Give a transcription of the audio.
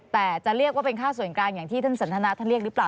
แต่จะเรียกว่าเป็นค่าส่วนกลางอย่างที่ท่านสันทนาท่านเรียกหรือเปล่า